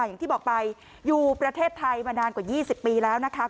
อย่างที่บอกไปอยู่ประเทศไทยมานานกว่า๒๐ปีแล้วนะคะ